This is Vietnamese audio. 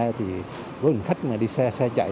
với lượng khách mà đi xe xe chạy